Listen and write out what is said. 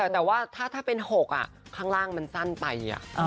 แต่ว่าถ้าเป็น๖ข้างล่างมันสั้นไป